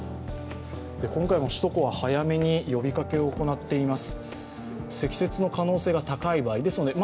今回も首都高は早めに呼びかけを行っています。